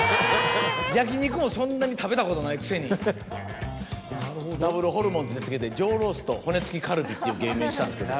焼き肉もそんなに食べたことないくせにダブルホルモンズって付けて上ロースと骨付きカルビっていう芸名にしたんですけど。